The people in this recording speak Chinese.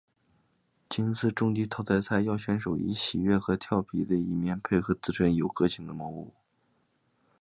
今次终极淘汰战要选手以喜悦和佻皮的一面配合自身有个性的猫步。